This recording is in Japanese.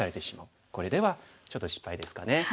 これではちょっと失敗ですかね。